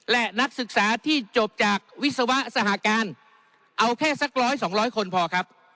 และนักศึกษาที่จบจากวิศวะสหการเอาแค่สักร้อยสองร้อยคนพอครับ